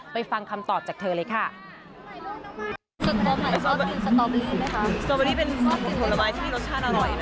ฟังคำตอบจากเธอเลยค่ะ